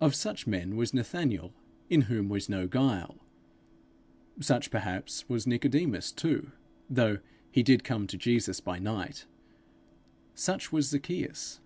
Of such men was Nathanael, in whom was no guile; such, perhaps, was Nicodemus too, although he did come to Jesus by night; such was Zacchaeus.